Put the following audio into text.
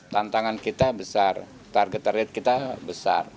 tantangan kita besar target target kita besar